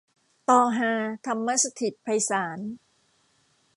ตอฮา ธรรมสถิตไพศาล